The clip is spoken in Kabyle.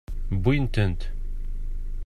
Wwint-tent.